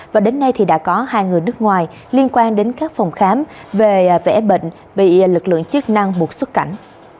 và đến nay thì đã có hai người nước ngoài liên quan đến các phòng khám về vẻ bệnh bị lực lượng chức năng buộc xuất cảnh